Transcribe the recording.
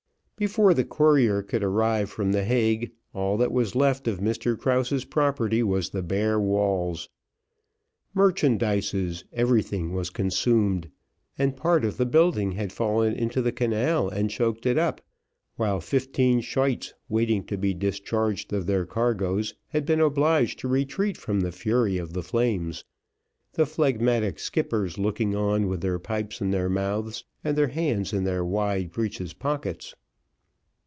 Before the courier could arrive from the Hague, all that was left of Mr Krause's property was the bare walls. Merchandises, everything was consumed, and part of the building had fallen into the canal and choked it up, while fifteen schuyts waiting to be discharged of their cargoes had been obliged to retreat from the fury of the flames, the phlegmatic skippers looking on with their pipes in their mouths, and their hands in their wide breeches pockets.